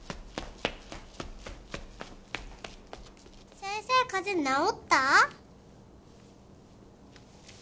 先生カゼ治った？